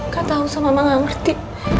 gak tahu sama mama gak ngerti